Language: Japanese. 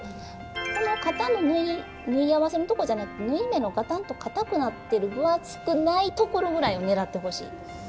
この肩の縫い合わせのとこじゃなくて縫い目のガタンとかたくなってる分厚くないところぐらいを狙ってほしい。